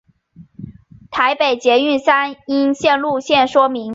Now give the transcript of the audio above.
台北捷运三莺线路线说明